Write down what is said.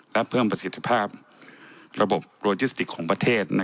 และเพิ่มประสิทธิภาพระบบโรจิสติกของประเทศ